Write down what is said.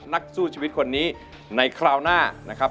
นักสู้ชีวิตคนนี้ในคราวหน้านะครับ